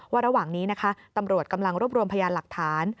ระหว่างนี้นะคะตำรวจกำลังรวบรวมพยานหลักฐาน